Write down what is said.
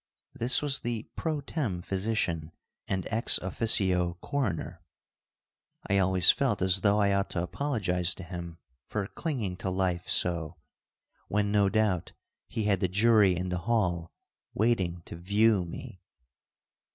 This was the pro tem physician and ex officio coroner. I always felt as though I ought to apologize to him for clinging to life so, when no doubt he had the jury in the hall waiting to "view" me.